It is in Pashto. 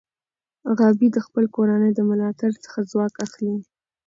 غابي د خپل کورنۍ د ملاتړ څخه ځواک اخلي.